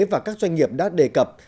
và các doanh nghiệp đã đề cập